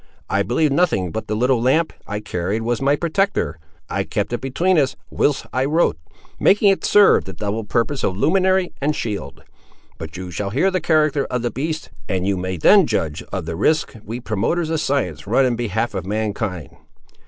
I believe nothing but the little lamp, I carried, was my protector. I kept it between us, whilst I wrote, making it serve the double purpose of luminary and shield. But you shall hear the character of the beast, and you may then judge of the risks we promoters of science run in behalf of mankind."